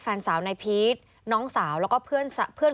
แฟนสาวในพีทน้องสาวแล้วก็เพื่อนน้องสาว